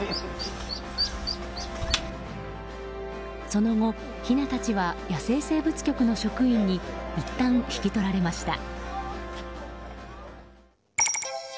その後、ひなたちは野生生物局の職員にいったん、引き取られました。